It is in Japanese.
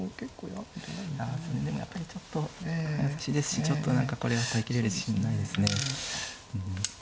でもやっぱりちょっと早指しですしちょっと何かこれは耐えきれる自信ないですね。